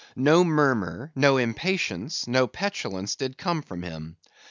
No murmur, no impatience, no petulance did come from him.